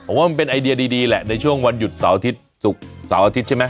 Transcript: ผมว่ามันเป็นไอเดียดีแหละในช่วงวันหยุดเสาร์อาทิตย์ศุกร์เสาร์อาทิตย์ใช่ไหม